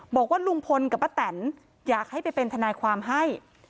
บอกว่าลุงพลกับป้าแตนอยากให้ไปเป็นทนายความให้